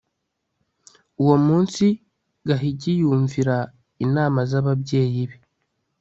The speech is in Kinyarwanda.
uwo munsi, gahigi yumvira inama z'ababyeyi be